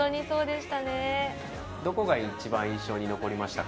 どこが一番印象に残りましたか？